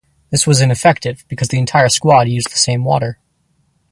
This was ineffective because the entire squad used the same water.